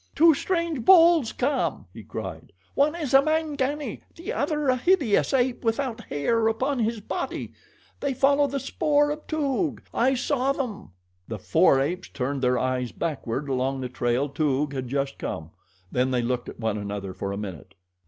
"Two strange bulls come," he cried. "One is a Mangani, the other a hideous ape without hair upon his body. They follow the spoor of Toog. I saw them." The four apes turned their eyes backward along the trail Toog had just come; then they looked at one another for a minute.